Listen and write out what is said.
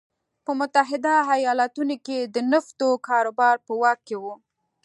په متحده ایالتونو کې یې د نفتو کاروبار په واک کې و.